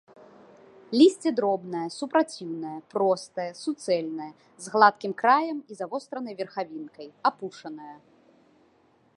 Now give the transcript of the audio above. Лісце дробнае, супраціўнае, простае, суцэльнае, з гладкім краем і завостранай верхавінкай, апушанае.